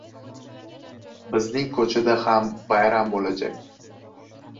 • Bizning ko‘chada ham bayram bo‘lajak.